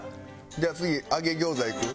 じゃあ次揚げ餃子いく？